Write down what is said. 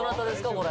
これ。